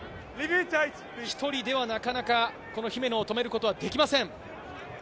１人ではなかなか姫野を止めることはできません。